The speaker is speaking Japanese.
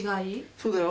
そうだよ。